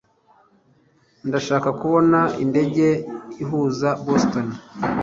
Ndashaka kubona indege ihuza Boston